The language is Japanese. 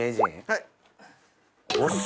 はい。